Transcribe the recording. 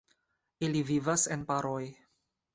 Ili vivas en paroj.